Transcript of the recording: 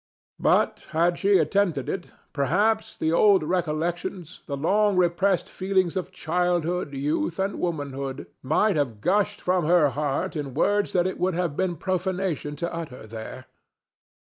But, had she attempted it, perhaps the old recollections, the long repressed feelings of childhood, youth and womanhood, might have gushed from her heart in words that it would have been profanation to utter there.